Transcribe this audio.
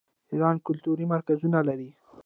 ایران کلتوري مرکزونه لري.